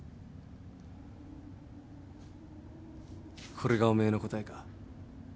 これがおめえの答えか？